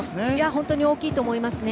本当に大きいと思いますね。